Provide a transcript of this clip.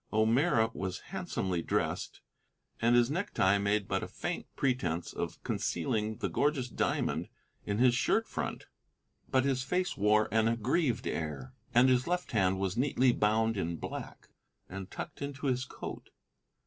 O'Meara was handsomely dressed, and his necktie made but a faint pretence of concealing the gorgeous diamond in his shirt front. But his face wore an aggrieved air, and his left hand was neatly bound in black and tucked into his coat.